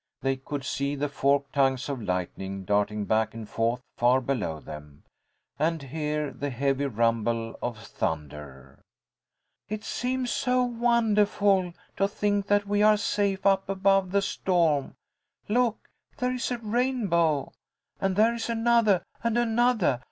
They could see the forked tongues of lightning darting back and forth far below them, and hear the heavy rumble of thunder. "It seems so wondahful to think that we are safe up above the storm. Look! There is a rainbow! And there is anothah and anothah!